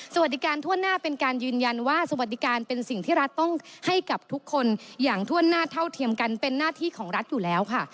สวัสดีการทั่วหน้าเป็นการยืนยันว่าสวัสดิการเป็นสิ่งที่รัฐต้องให้กับทุกคนอย่างถ้วนหน้าเท่าเทียมกันเป็นหน้าที่ของรัฐอยู่แล้วค่ะ